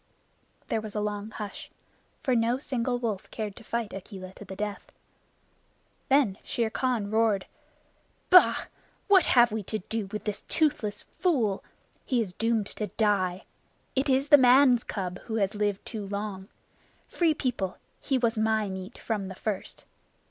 There was a long hush, for no single wolf cared to fight Akela to the death. Then Shere Khan roared: "Bah! What have we to do with this toothless fool? He is doomed to die! It is the man cub who has lived too long. Free People, he was my meat from the first.